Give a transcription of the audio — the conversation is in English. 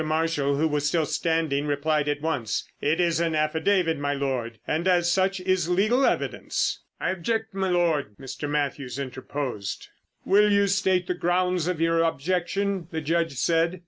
Marshall, who was still standing, replied at once: "It is an affidavit, my Lord, and as such is legal evidence." "I object, m' Lord!" Mr. Mathew interposed. "Will you state the grounds of your objection?" the Judge said.